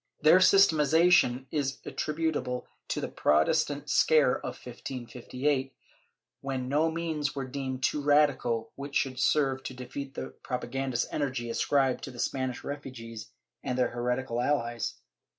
Their systematiza tion is attributable to the Protestant scare of 1558, when no means were deemed too radical which should serve to defeat the propa gandist energy ascribed to the Spanish refugees and their heretical allies.